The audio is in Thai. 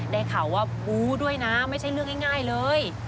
ได้ข่าวว่าบู้ด้วยนะไม่ใช่เรื่องง่ายเลย